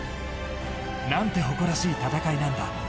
何て誇らしい戦いなんだ。